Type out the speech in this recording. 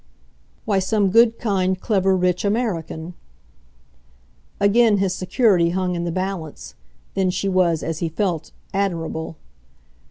"Why, some good, kind, clever, rich American." Again his security hung in the balance then she was, as he felt, admirable.